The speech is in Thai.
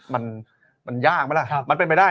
มันยากไม่ได้